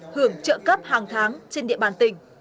hưởng trợ cấp hàng tháng trên địa bàn tỉnh